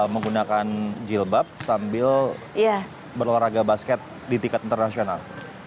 menggunakan jebab sambil berlelaraga basket di tingkat internasional